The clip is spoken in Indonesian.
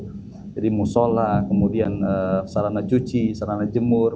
jadi mau sholat kemudian sarana cuci sarana jemur